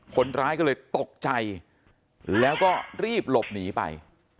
คนร้ายก็เลยตกใจแล้วก็รีบหลบหนีไป